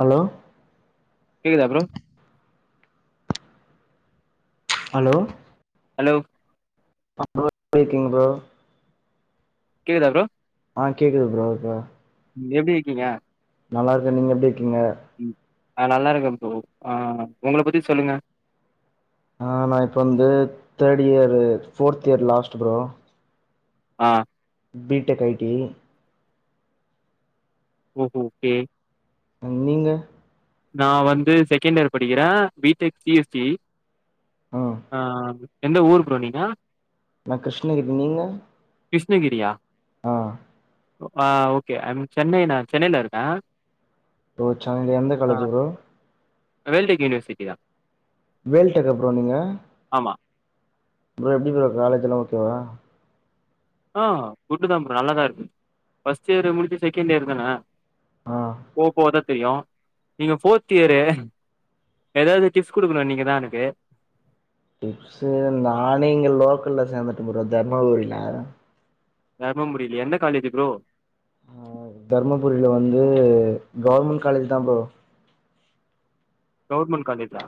Hello கேக்குதா bro hello hello ஆ bro எப்டிருக்கீங்க ப்ரோ கேக்குதா ப்ரோ ஆ கேக்குது ப்ரோ இப்ப எப்டி இருக்கீங்க நல்லா இருக்கே நீங்க எப்டி கீங்க ஆஹ் நல்லாருக்கே ப்ரோ ஆஹ் உங்கள பத்தி சொல்லுங்க ஆஹ் நான் இப்ப வந்து that year fourth year last bro ஆஹ் பீடெக் ஐ டி ஓ ஹோ ஓக்கே ம் நீங்க நான் வந்து செகண்ட் இயர் படிக்கிறேன் பிடெக் சி எஸ் டி ஆ ஆஹ் ஆஹ் எந்த ஊரு ப்ரோ நீங்க நான் கிருஷ்ணகிரி நீங்க கிருஷ்ணகிரியா ஆஹ் ஆ ஓக்கே ஐயம் சென்னை நான் சென்னைல இருக்கே ஓ சென்னை அங்க எந்த ஆ காலேஜ் ப்ரோ வேல்டெக் யுனிவர்சிட்டி தான் வேல்டெக்கா ப்ரோ நீங்க மா ப்ரோ எப்டி ப்ரோ காலேஜ்ல்லாம் ஓக்கேவா ஆஹ் குட்டு தான் ப்ரோ நல்லாதான் இருக்கு ஃபர்ஸ்ட் இயர முடுச்சு செகண்ட் இயர் தான ஆ போக போகதான் தெரியும் நீங்க ஃபோர்த் இயரு ஏதாவது டிப்ஸ் குடுக்கணும் நீங்கதான் எனக்கு டிப்ஸு நானே இங்க லோக்கல்ல சேந்துட்டே ப்ரோ தர்மாபுரில தர்மபுரிலயா எந்த காலேஜு ப்ரோ ஆஹ் தர்மபுரியில வந்து கவர்மண்ட் காலேஜு தா ப்ரோ கவர்மண்ட் காலேஜா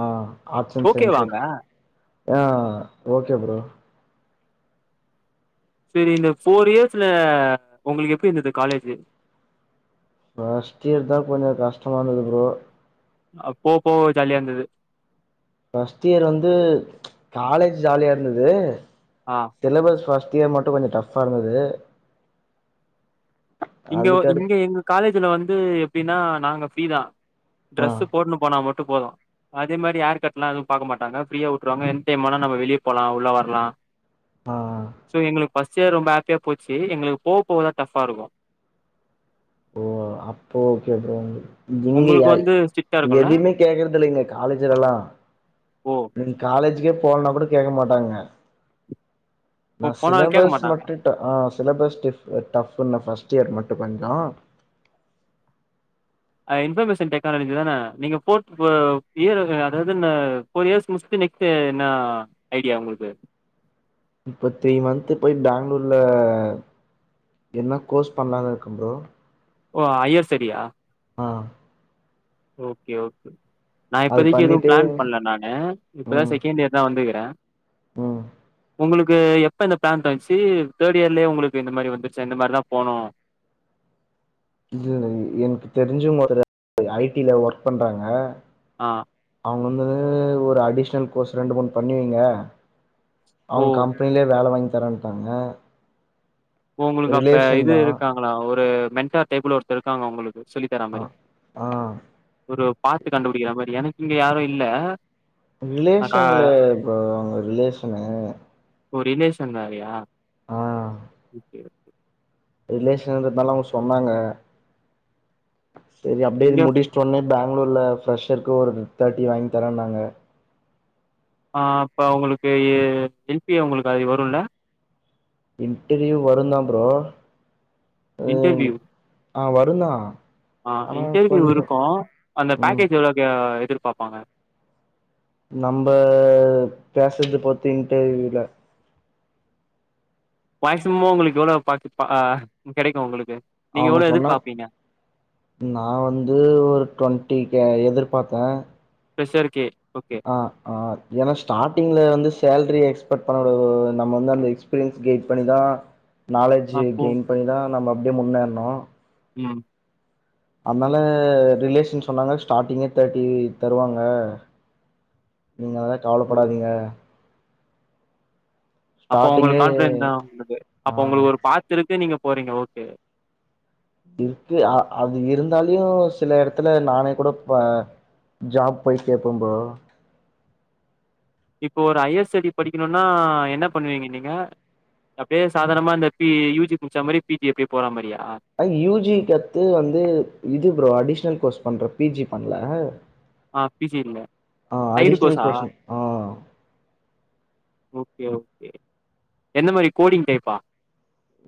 ஆஹ் ஆர்ட்ஸ் அண்ட் ஓகே சயின்ஸு வாங்க ஆஹ் ஓக்கே ப்ரோ சேரி இந்த ஃபோர் இயர்ஸ்ல உங்களுக்கு எப்டி இருந்தது காலேஜு ஃபஸ்ட் இயர் தான் கொஞ்சோ கஷ்டமா இருந்தது ப்ரோ அ போக போக ஜாலியா இருந்தது ஃபஸ்ட் இயர் வந்து ச் காலேஜ் ஜாலியா இருந்தது ஆ சிலபஸ் ஃபஸ்ட் மத்திய மட்டும் கொஞ்சம் டஃப்பா இருந்தது இங்கோ இங்க அதுக்கடுத் எங்க காலேஜ்ல வந் து எப்டின்னா நாங்க ஃபிரீதான் ஆ ட்ரெஸு போட்னு போனா மட் டு போதும் அதே மாரி ஏர்கட்லாம் எதும் பாக்க மாட்டாங்க ஃபிரியா வுட்டுருவாங்க என்டு டைம் ஆனா நம்ம வெளிய போலாம் உள்ள வர்லா ஆஹ் ஆஹ் ஃபஸ்ட் இயர் ரொம்ப ஹாப்பியா போச்சு எங்களுக்கு போவ போவதா டஃப்பா இருக்கும் ஓ அப்ப ஓகே ப்ரோ உங்களுக்கு உங்களுக்கு இங்கயா வந்து ஸ்ட்ரிக்ட்டா இருக்கும்ல? எதுவுமே கேக்குறத இல்லைங்க காலேஜ்ல எல்லாம் ஓ நீ காலேஜ்க்கே ஃபோன்ல மட்டு கேக்க மாட்டாங்க போ நா போனா கேக்க சிலபஸ் மாட்டாங்க. மட்டும் ஆஹ் சிலபஸ் ட்ஃப் இல்ல இயர் மட்டும் கொஞ்சோ ஆ இன்ஃபர்மேஷன் டெக்னாலஜி தானே நீங்க ஃபோர்த் இயர் அதாவது ஃபோர் இயர்ஸ் முடிச்சுட்டு நெக்ஸ்ட் என்ன ஐடியா உங்களுக்கு இப்போ த்ரீ மந்த் போய் பெங்களூர்ல என்ன கோர்ஸ் பண்ணலான்னு இருக்க ப்ரோ ஓ ஹையர் ஸ்டடியா ஆ ஓகே ஓகே நா அது இப்போதைக்கு எதுவும் பண்ணிட்டு பிளான் பண்ணல நானு இப்பதான் செகண்ட் இயர் தான் வந்துக்குறேன் உம் உங்களுக்கு எப்போ இந்த பிளான் தச்சு தேர்ட் இயர்லயே உங்களுக்கு இந்த மாதிரி வந்துச்சு இந்த மாதிரி தான் போனும் இது எனக்கு தெரிஞ்சவங் ஒருத்தரு ஐடில ஒர்க் பண்றாங்க ஆ அவுங்க வந்து ஒரு அடிஷ்னல் கோர்ஸ் ரெண்டு மூணு பண்ணி வைங்க. ஓ! அவுங்க கம்பெனியிலே வேலை வாங்கி தர்ரன்ட்டாங்க உங்குளுக்கு அப்ப இது இருக்காங்களா ஒரு மென் சார் டேபிள்ல ஒருத்தர் இருக்காங்க அவுங்களுக்கு சொல்லித்தர ஆ மாதிரி ஆ ஒரு பாட்டு கண்டுபிடிக்கிற மாதிரி எனக்கு இங்க யாரு இல்ல நான் கா ரிலேஷன்ல இப்ப அவுங்க ரிலேஷனு ஓ ரிலேஷன் வேறயா ஆஹ் ஓகே ஓகே ரிலேஷன்றதுனால அவுங்க சொன்னாங்க சேரி அப்படியே இங்க முடிவு பண்ணி பெங்களூர்ல ப்ரெஷருக்கு ஒரு தேர்ட்டி வாங்கி தாரேன்னாங்க ஆ இப்ப உங்குளுக்கு [unintelligible] அது வருல இன்டர்வியூ வரும் தான் ப்ரோ இன்டர்வியூ ஆ வருந்தா ஆஹ் ஆனா இன்டர்வியூ கொஞ்சோ இருக்கும் அந்த ம் பேக்கேஜ் எவ்ளவு எதிர் பாப்பாங்க நம்ப பேசுறத பொருத்து இன்டர்வியூல மேக்ஸிமம்மா உங்களுக்கு எவ்வளவு பிராஃபிட் அ கெடைக்கோ உங்களுக்கு நீங்க அவங்க எவ்ளோ சொன்னா எதிர்பாப்பீங்க நா வந்து ஒரு டூவெண்டி ய எதிர்பாத்தே ஃபிரெஷ்ஷருக்கே ஆஹ் ஆஹ் ஏன்னா ஸ்டார்டிங்ல வந்து சேலரி எக்ஸ்பெக்ட் பண்ணட நம்ம வந்து அந்த எக்ஸ்பீரியன்ஸ் கெயிட் பண்ணிதான் நாலேஜு அப்போ கெயின் பண்ணிதான் நம்ம அப்படி முன்னேறணும் உம்ஹ் அதனால ரிலேஷன் சொன்னாங்க ஸ்டார்ட்டிங்கே தேர்ட்டி தருவாங்க நீங்கள் அதாம் ம். கவலைப்படாதீங்க அப்ப உங்களுக்கு ஸ்டார்ட்டிங்கே கான்பிடண்ட் தான் அப்ப ஆ உங்களுக்கு ஒரு பாத்திருக்கு நீங்க போறீங்க ஓகே இருக்கு அ அது இருந்தாலயும் சில இடத்தல நானே கூட ஜாப் போய் கேட்பேன் புரோ இப்போ ஒரு ஐஎர்ஸ்டடி படிக்கணும்னா என்ன பண்ணுவீங்க நீங்க அப்படியே சாதாரணமா இந்த பி யூஜி குடிச்ச மாதிரி பிஜிப்பய போற மாதிரியா யூஜி கத்து வந்து இது ப்ரோ அடிஷனல் கோர்ஸ் பண்ற பிஜி பண்ணல ஆஹ் பிசி இல் சைடு அடிஷ்னல் கோசா கோர்ஸ் ஆ ஓகே ஓகே எந்த மாதிரி கோடிங் டைப்பா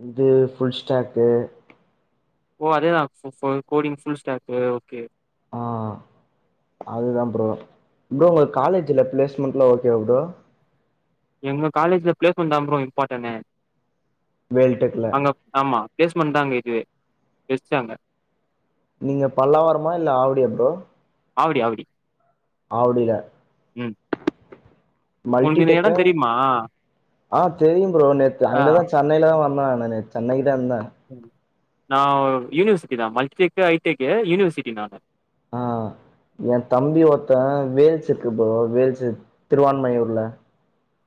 இது ஃபுல் ஸ்டாக்கு ஓ அதேதான் கோடிங் புல் ஸ்டாக் ஓகே ஆஹ் அதுதான் ப்ரோ ப் ரோ உங்க காலேஜ்ல பிளேஸ்மெண்ட்லாம் ஓகேவா ப்ரோ எங்க காலேஜ்ல பிளேஸ்மெண்ட்தா ப்ரோ இம்பார்டன் வேல்டெக்ல அங்க ஆமா பிளேஸ்மென்ட்தாங்க இது வச்சிட்டாங்க நீங்க பல்லாவரமா இல்ல ஆவடியா ப்ரோ ஆவடி ஆவடி ஆவடில ம் உங்களுக்கு இந்த மல்டிடெக் இடம் தெரியுமா ஆஹ் தெரியும் ப்ரோ நேத்து ஆ அங்கதான் சென்னையில தான் வந் [unintelligible] சென்னை இப்ப என்ன ம். நான் யூனிவர்சிட்டி தான் மல்ட்டிடெக் ஐடெக் யூனிவர்சிட்டி நானு ஆஹ் என் தம்பி ஒருத்தன் வேல்செக்கு ப்ரோ வேல்செக் திருவான்மியூர்ல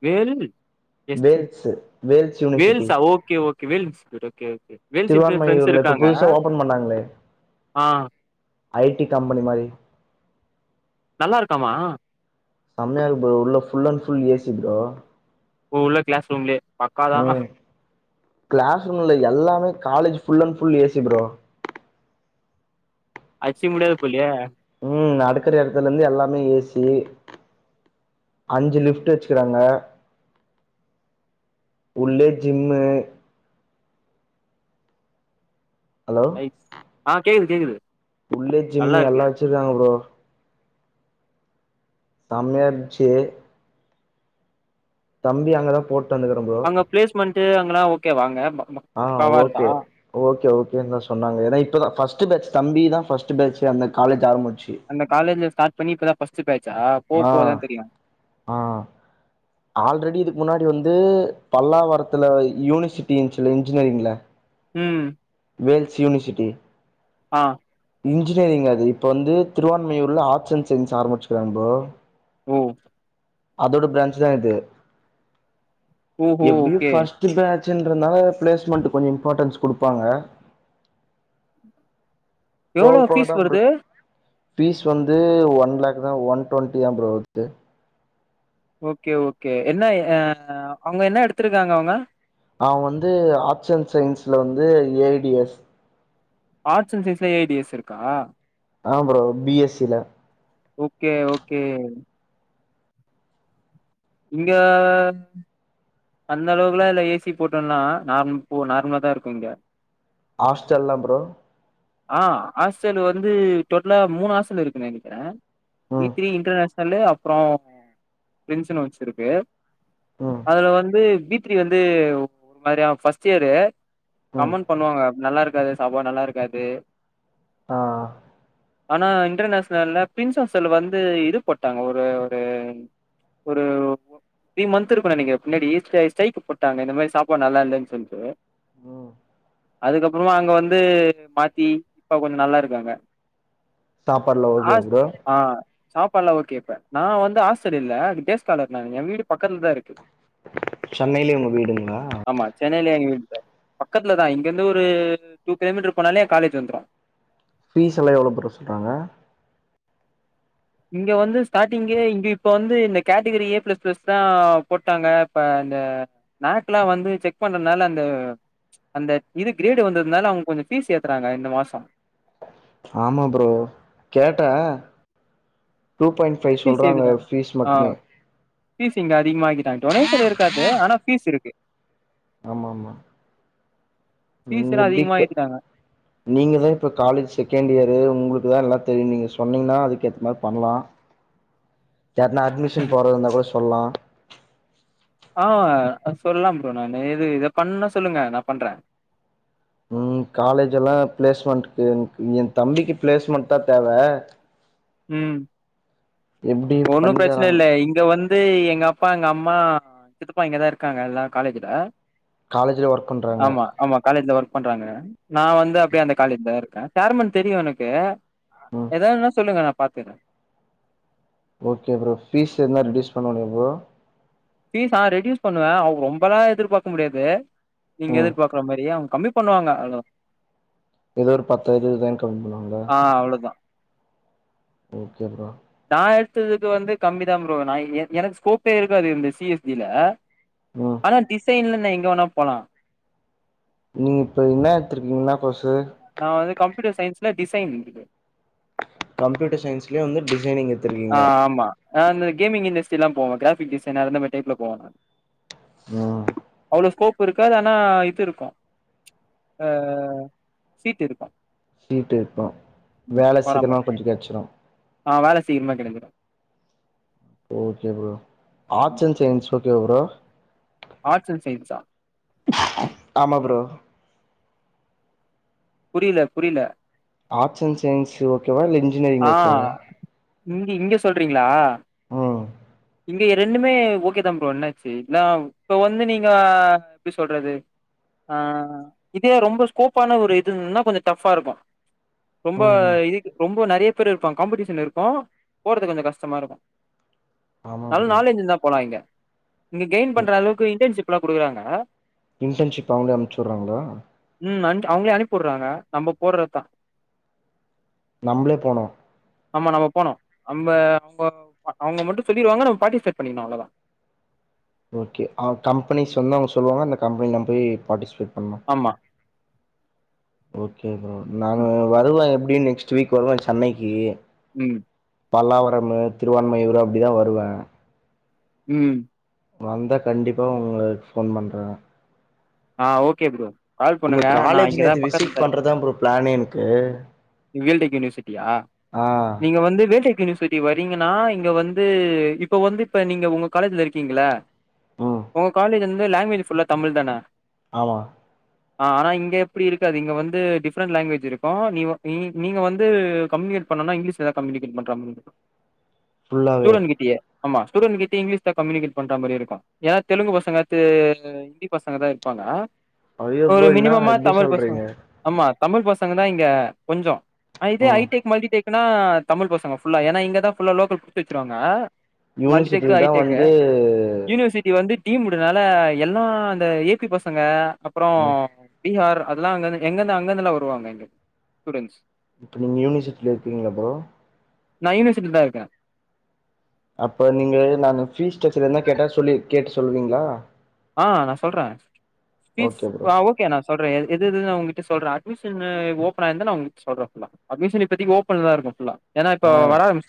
வேல் எஸ்ட் Vels Vels university Vels okay okay Vels institute friends திருவான்மையூர்ல இப்ப இருக்காங்க புதுசா ஓபன் பண்ணாங்களே ஆ ஐடி கம்பெனி மாதிரி நல்லா இருக்காமா செமயா இருக்கு ப்ரோ உள்ள full and full AC bro ஓ உள்ள கிளாஸ் ரூம்லயே பக்காதான் ம் கிளாஸ் ரூம்ல எல்லாமே college full and full AC bro அச்சு முடியாது போல்லயே ம் அடுக்குற இடத்துல இருந்து எல்லாமே ஏசி அஞ்சு லிஃப்ட் வச்சுக்கிறாங்க உள்ளே ஜிம்மு ஹலோ ஐ ஆ கேக்குது கேக்குது உள்ளே நல்லா ஜிம்மு இருக்கு எல்லா வச்சிருக்காங்க ப்ரோ செம்யா இருஞ்சு தம்பி அங்கதா போட் அங்க பிளேஸ்மெண்ட் டு அங்கெலா ஓக்கே வாங்க ஆஹ் பக்காவா இருக்கா ஓக்கே ஓக்கே ஓக்கேன்தா சொன்னாங்க ஏன்னா இப்பதா ஃபஸ்ட் ஸ்டு பேச் தம்பி தான் ஃபஸ்ட்டு பேஜ்ஜூ அந்த காலேஜ் ஆரம்ப அந்த காலேஜ்ல ஸ்டார்ட் பன்னி இப்ப தா பஸ்ட்டு பேஜ் சா ஆ போபோதான் தெரியும் ஆ ஆல்ரெடி இதுக்கு முன்னாடி வந்து பல்லாவரத்துல யூனிவர்சிட்டி இஞ்சுல இன்ஜினியரிங்ல ம் வேல்ஸ் யூனிர்சிட்டி ஆஹ் இன்ஜினியரிங் அது இப்ப வந்து திருவான்மையூர்ல ஆர்ட்ஸ் அண்ட் சயின்ஸ் ஆரம்மிச்சுருக்காங்க ப்ரோ ஓ அதோட பிராஞ்சு தா இது ஓஹோ எப்டியு ஓகே ஃபஸ்ட் பேஜ் ச் இதுன்றநால பிளேஸ்மெண்ட் கொஞ்சோ இம்பார்ட்டண்ட்ஸ் குடுப்பாங்க போக எவ்ளோ போக ஃபீஸ் தா ப்ரோ வருது ஃபீஸ் வந்து ஒன் லேக்கு தா ஒன் டுவெண்ட்டி தா ஆகுது ஓக்கே ஓக்கே என்ன அ அவுங்க என்ன எடுத்திருக்காங்க அவுங்க அவன் வந்து ஆர்ட்ஸ் அண்ட் சயின்ஸ்ல வந்து ஏ டி எஸ் ஆர் அண்ட் சைஸ்ல ஏடிஎஸ் இருக்கா ஆ ப்ரோ பி எஸ் சி ல ஓக்கே ஓக்கே இங்க அந்த அளவுக்குல்லா இல்ல ஏசி போட்டோனா நார் போ நார்மலா தா இருக்கு இங்க ஹாஸ்டல்லா ப்ரோ ஆஹ் ஹாஸ்டல் வந்து டோட்டலா மூணு ஹாஸ்டல் இருக்குன்னு நெனைக்கிறே ம் [unintelligible] வந்து அப்ரோ [unintelligible] வச்சிருக்கு ம் அதுல வந்து பீத்ரி வந்து ஒரு ஃபஸ்ட் ஸ்ட் இயர்ரு ம் கமெண்ட் பண்ணுவாங்க நல்லா இருக்காது சபா நல்லா இருக்காது சே ஆ ஆனா இன்டர்நேஷன்ல பிரின்சஸ்ல் வந்து இது போட்டாங்க ஒரு ஒரு ஒரு த்ரீ மந்த் இருக்கு நினைக்கிறேன் பின்னாடி ஸ் ஸ்ட்ரைக் போட்டாங்க இந்த மாரி சாப்பாடு நல்லா இல்லைன்னு சொல்லிட்டு ம் அதுக்கப்புறமா அங்க வந்து மாத் தி இப்ப கொஞ்சோ நல்லா இருக்கு அங்க சாப்பாடெல்லா ஓகேவா ப்ரோ சாப்பாடெல்லலா ஓகே இப்ப நா வந்து ஹாஸ்டல்ல இல்ல டேஸ்காலர் நா என் வீடு பக்கத்து லதா இருக்கு சென்னையிலயே உங்க வீடுங்ளா பக்கத்துலதா இங்கிருந்து ஒரு டூ கிலோமீட்டர் போனாலே கலேஜ் வந்திரு ஃபீஸ் எல்லா எவ்ளோ ப்ரோ சொல்றாங்க இங்க வந்து ஸ்டார்ட்டிங்கே இங்க இப்ப வந்து இந்த கேட்டகரி ஏ பிளஸ் பிளஸ்தா போட்டாங்க இப்ப அந்த நேக் எல்லா வந்து செக் பண்றதுனால அந்த ப்ச் அந்த இது கிரேடு வந்ததுனால அவூங்க கொஞ்சோ ஃபீஸ் ஏத்துறாங்க இந்த மாசோ ஆமா ப்ரோ கேட்ட ஆஹ் ஃபீஸ் இங்க அதிகமாக்கிட்டாங்க டொனேஷ் இருக்காது ஆனா ப்பீஸ் இருக்கு ஆமாமா ஃபீஸ் நீங்க எல்லா எப்படி அதிகமா ஏத்திட்டாங்க நீங்கதா இப்ப காலேஜ் செகண்ட் இயரு உங்களுக்குதா எல்லாத் தெரியு நீங்க சொன்னீங்கன்னா அதுக்குேத்த மாரி பண்ணலா யார்னா அட்மிஷன் போடுறதா இருந்தா கூட சொல்லா ஆஹ் சொல்லாம் ப்ரோ நான் எது இத பண்னா சொல்லுங்க நா பண்ற உம் காலேஜ் எல்லா பிளேஸ்மெண்ட்க்கு என் தம்பிக்கு பிளேஸ்மெண்ட்தா தேவ உம் எப்டி ஒன்னு பண்ணி பிரச்சன தராங்க இல்லை இங்க வந் து எங்க அப்பா எங்க அம்மா சித்தப்பா இங்கதா இருக்காங்க எல்லா காலேஜ்ல காலேஜ்ல ஒர்க் பண்றாங்க ஆம்மா ஆம்மா காலேஜ்ல வொர்க் பண்றாங்க நா வந்து அப்படியே அந்த காலேஜ்லதா இருக்க சேர்மன் தெரியு எனக்கு ம் எதாவதுனா சொல்லுங்க பாத்திர்ர ஓகே ப்ரோ ஃபீஸ் எதுனா ரெடியூஸ் பண்ண முடிமா ப்ரோ ஆ ஃபீஸா ரெடியூஸ் பண்ணுவ அவுங்க ரொம்போ எல்லா எதிர்பார்க்க முடியாது நீங்க ப்ரோ ம் எதிர்பார்க்கிற மாரி அவுங்க கம்மி பண்ணுவாங்க அவ்ளதா ஏதோ ஒரு பத்தோ இருபதாயிரோ கம்மி பண்ணுவாங்ளா ஆ அவ்ளோதா ஓக்கே ஃப்ரோ நா எடுத்ததுக்கு வந்து கம்மிதா ப்ரோ நா நா எனக்கு ஸ்கோப்பே இருக்காது இந்த சி எஸ் டஜில ம் ஆனா டிசைன்ல எங்க வேனா போலா நீங்க இப்ப என்னா எத்துருக்கீங்கன்னா நா வந்து கம் யூட்டர் சயின்ஸ்ல டிசைன் இருக்கு கம்யூட்டர் சயின்ஸ்லயே வந்து டிசைனிங் எடு ஆஹ் ஆமா ஆ அந்த கேமிங் இண்டஸ்ட்ரி எல்லா போவேன் கிராபிக் டிசைனர் அந்த மாரி டைப்ல போவ நா ம் இப்ப இருக்காது ஆனா இது இருக்கும் அஹ் சீட்டு இருக்கோ சீட்டு இருக்கோ வேல சீக்கிரமா கொஞ்சோ கெட்ச்சுரோ சீக்ரமா கெளம்பிரோ okay bro arts and science okay bro arts and சயின்ஸ்சா ஆமா ப்ரோ புரில புரில ஆர்ட்அஸ் அண்ட் சயின்ஸ் ஒரு ஓகேவா இல்ல இன்ஜினியரிங் ஆ ஓகேவா இங்க இங்க சொல்றீங்களா ம் இங்க ரெண்டுமே ஓகே தா ப்ரோ என்னாச்சு நா இப்ப வந்து நீங்க எப்டி சொல்றது ஆ இதே ரொம்ப ஸ்கோப்பான ஒரு இதுன்னா கொஞ்சம் டஃப்பா இருக்கோ ரொம்ப ம் ம் இது ரொம்ப நெறைய பேர் இருப்பாங்க காம்படீஷன் இருக்கோ ஓடுறதுக்கு கொஞ்சோ கஷ்டமா இருக்கோ ஆமா நல்ல ப்ரோ நாலேஜ் இருந்தா போலா இங்க இங்க கெயின் பண்ற அளவுக்கு இன்டர்ன்ஷிப் எல்லா குடுக்குறாங்க இன்டர்ன்ஷிப் அவுங்களே அனுப்ச்சு வுடுறாங்களா ம்ம் அவங்களே அனுப்பிடுறாங்க நம்ம போடுறதுதா நம்மளே போனோ அம்ம அவுங்க அவுங்க மட்டோ சொல்லிடுவாங்க நம்ம பார்ட்டி செட் பண்ணிடனும் அவ்ளோதா ஓகே கம்பெனிஸ் வந்து அவங்க சொல்லுவாங்க அந்த கம்பெனில போய் பார்ட்டிசிபேட் ஆமா ஓகே கேக்குறோ நான் ம் வருவாய எப்டி இன் நெக்ஸ்ட் வீக் வருவோம் சென்னைக்கு ம் பல்லாவரமு திருவான்மியூர் அப்டிதா வருவ ம் வந்தா கண்டிப்பா உங்களஃபோன் பண்ற ஆ ஓகே ப்ரோ கால் உங்க பண்ணுங்க நா காலேஜ் இங்கதா நேத்து விசிட் பக்கத்துலதா இருப்பே பண்றதான் ப்ரோ பிளானே எனக்கு வேல்டெக் யூனிவர்சிட்டியா ஆ நீங்க வந்து வேல் வேல்டெக் யுனிவர்சிட்டி வரீங்கன்னா இங்க வந்து இப்ப வந்து இப்ப நீங்க உங்க காலேஜ்ல இருக்கீங்கள ம் உங்க காலேஜ் வந்து லாங்குவேஜ் ஃபுல்லா தமிழ் தானே ஆமா ஆ ஆனா இங்க அப்டி இருக்காது இங்க வந்து டிஃப்ரெண்ட் லாங்குவேஜ் இருக்கோ நீ நீ நீங்க வந்து கம்யூனிகேட் பண்ணனும்னா இங்கிலீஷ்லதா கம்யூனிகேட் பண்ற ஃபுல்லாவே ஸ்டூடென்ட் கிட்டயே ஆமா ஸ்டூடெண்ட் கிட்ட இங்கிலீஷ் தான் கம்யூனிகட் பண்ணுற மாரி இருக்கும் ஏன்னா தெலுங்கு பசங்க வந்து ஹிந்தி பசங்க தா இருப்பாங்க ஐயோ ஒரு ப்ரோ என்னா மினிமமா இப்டி தமிழ் பசங்க சொல்றீங்க ஆமா தமிழ் பசங்க தான் இங்க கொஞ்சோ இதே ஐ ம் டெக் மல்டி டெக் னா தமிழ் பசங்க ஃபுல்லா ஏன்னா இங்கதான் ஃபுல்லா லோக்கல் புடிச்சு வச்சிருவாங்க மல்டிடெக் யூனிவர்சிட்டில தான் வந்து டீம்ட்முனால எல்லா அந்த ஏ பி பசங்க அப்புறோ ம் பீஹார் அதெல்லா அங்க இருந்து எங்கந்து அங்க இருந்தெல்லா வருவாங்க இங்க ஸுடெண்ட்ஸ் இப்போ நீங்க யூனிவர்சிட்டியில இருக்கிறீங்களா ப்ரோ நான் யூனிவர்சிட்டில தான் இருக்கேன் அப்ப நீங்க நான் ஃபீஸ்டரக்சர் எதனாது கேட்ட சொல்லி கேட்டு சொல்லுவீங்களா ஆ நான் சொல்றேன் ஃபீஸ் ஓகே ப்ரோ ஆ ஓக்கே நா சொல்றே எது எதுஎதுனு உங்கிட்ட சொல்றேன் அட்மிஷனு ஓபன்னு ஆயிருந்தா நான் உங்களுக்கு சொல்றேன் ஃபுல்லா அட்மிஷன் இப்பதைக்கு ஓப்பன் தான் இருக்கும் ஃபுல்லா ஏன்னா இப்போ ஆ வர ஆரம்பிச்சுட்டாங்க